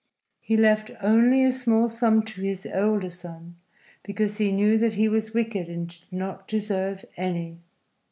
He left only a small sum to his older son, because he knew that he was wicked, and did not deserve any.